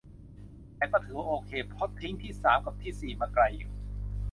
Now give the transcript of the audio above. แต่ก็ถือว่าโอเค เพราะทิ้งที่สามกับที่สี่มาไกลอยู่